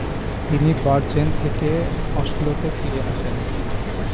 তিনি বার্জেন থেকে অসলোতে ফিরে আসেন।